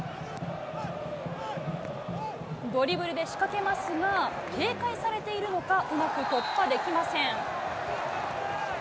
ドリブルで仕掛けますが、警戒されているのか、うまく突破できません。